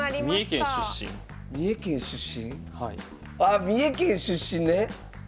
あ三重県出身ね？